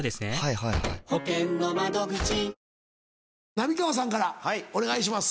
浪川さんからお願いします。